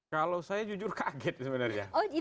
kalau saya jujur kaget sebenarnya